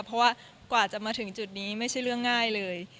เพราะว่ากว่าจะมาถึงจุดนี้ไม่ใช่เรื่องง่ายเลย